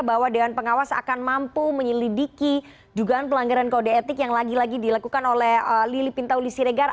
bahwa dewan pengawas akan mampu menyelidiki dugaan pelanggaran kode etik yang lagi lagi dilakukan oleh lili pintauli siregar